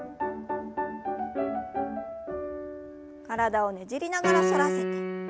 体をねじりながら反らせて。